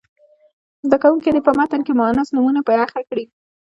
زده کوونکي دې په متن کې مونث نومونه په نښه کړي.